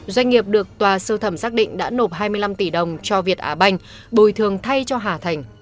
doanh nghiệp được tòa sơ thẩm xác định đã nộp hai mươi năm tỷ đồng cho việt á banh bồi thường thay cho hà thành